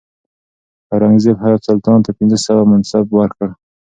اورنګزیب حیات سلطان ته پنځه سوه منصب ورکړ.